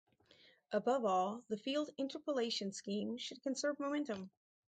Above all, the field interpolation scheme should conserve momentum.